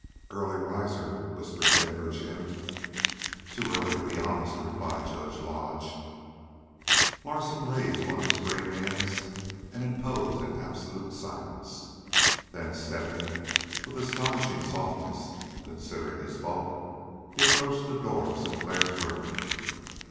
"Early riser," whispered Denver Jim. "Too early to be honest," replied Judge Lodge. Larsen raised one of his great hands and imposed an absolute silence. Then, stepping with astonishing softness, considering his bulk, he approached the door of Sinclair's room.